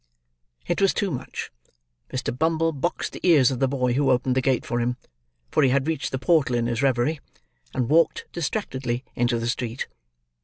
—" It was too much. Mr. Bumble boxed the ears of the boy who opened the gate for him (for he had reached the portal in his reverie); and walked, distractedly, into the street.